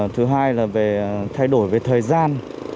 thứ hai là về thời gian